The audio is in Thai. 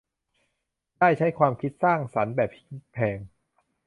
ได้ใช้ความคิดสร้างสรรค์แบบพลิกแพลง